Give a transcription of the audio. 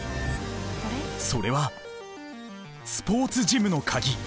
それはスポーツジムの鍵